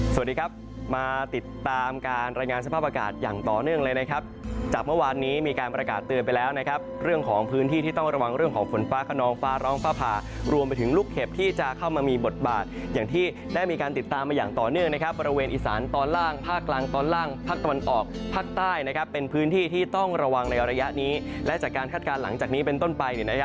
สวัสดีครับมาติดตามการรายงานสภาพอากาศอย่างต่อเนื่องเลยนะครับจากเมื่อวานนี้มีการประกาศเตือนไปแล้วนะครับเรื่องของพื้นที่ที่ต้องระวังเรื่องของฝนฟ้าขนองฟ้าร้องฟ้าผ่ารวมไปถึงลูกเข็บที่จะเข้ามามีบทบาทอย่างที่ได้มีการติดตามมาอย่างต่อเนื่องนะครับบริเวณอีสานตอนล่างภาคลังตอนล่างภาคตะวันออก